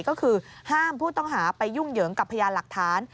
ก็คือห้ามผู้ต้องหาไปยุ่งเหยิงกับพยานหลักฐาน